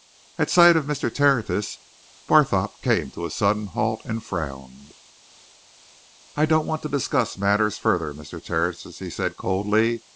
At sight of Mr. Tertius, Barthorpe came to a sudden halt and frowned. "I don't want to discuss matters further, Mr. Tertius," he said coldly.